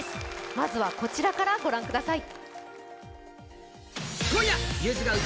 まずはこちらからご覧ください。